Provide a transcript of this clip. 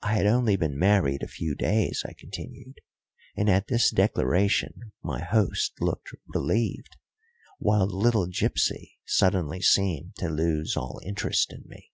I had only been married a few days, I continued, and at this declaration my host looked relieved, while little gipsy suddenly seemed to lose all interest in me.